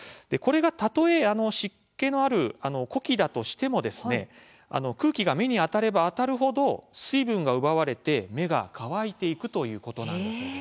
これがたとえ湿気のある呼気だとしても空気が目に当たれば当たるほど水分が奪われて目が乾いていくということなんです。